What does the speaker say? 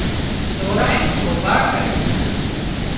سورئي توڀان ڪري